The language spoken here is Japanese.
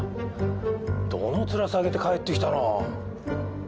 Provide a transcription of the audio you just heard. どの面下げて帰ってきたの？